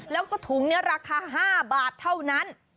แล้วก็ถุงนี้ราคา๕บาทเท่านั้น